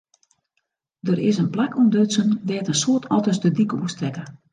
Der is in plak ûntdutsen dêr't in soad otters de dyk oerstekke.